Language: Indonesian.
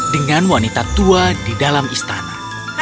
dengan wanita tua di dalam istana